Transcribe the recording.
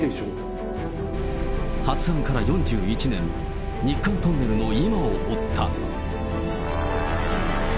発案から４１年、日韓トンネルの今を追った。